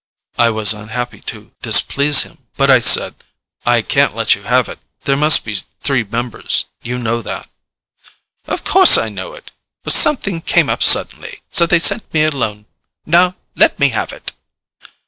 I was unhappy to displease him, but I said, "I can't let you have it. There must be three members. You know that." "Of course, I know it. But something came up suddenly, so they sent me alone. Now, let me have it."